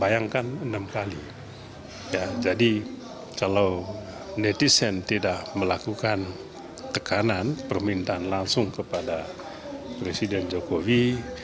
bayangkan enam kali jadi kalau netizen tidak melakukan tekanan permintaan langsung kepada presiden jokowi